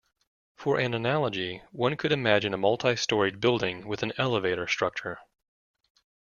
For an analogy, one could imagine a multistoried building with an elevator structure.